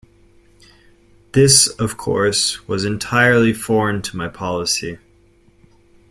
This, of course, was entirely foreign to my policy.